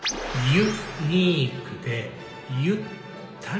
「ユ・ニークでゆ・ったり」。